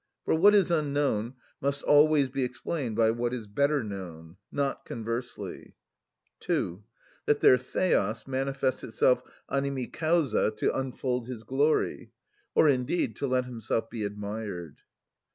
For what is unknown must always be explained by what is better known; not conversely. (2). That their θεος manifests himself animi causa, to unfold his glory, or, indeed, to let himself be admired.